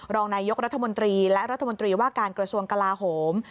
รองนายกรัฐมนตรีและรัฐมนตรีว่าการกระทรวงกลาโหม